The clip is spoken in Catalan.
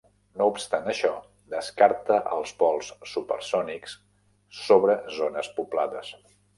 No obstant això, descarta els vols supersònics sobre zones poblades.